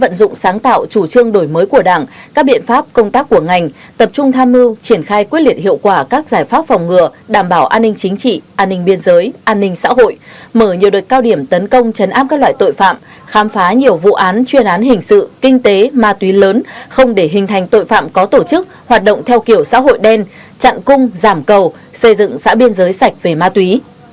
trong những năm qua công an nghệ an đã vận dụng sáng tạo chủ trương đổi mới của đảng các biện pháp công tác của ngành tập trung tham mưu triển khai quyết liệt hiệu quả các giải pháp phòng ngừa đảm bảo an ninh chính trị an ninh biên giới an ninh xã hội mở nhiều đợt cao điểm tấn công chấn áp các loại tội phạm khám phá nhiều vụ án chuyên án hình sự kinh tế ma túy lớn không để hình thành tội phạm có tổ chức hoạt động theo kiểu xã hội đen chặn cung giảm cầu xây dựng xã biên giới sạch về ma túy